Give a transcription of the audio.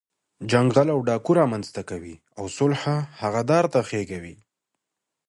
جنګ غل او ډاګو رامنځ ته کوي، او سوله هغه دار ته خېږوي.